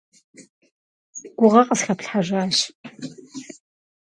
Гугъэ къысхэплъхьэжащ.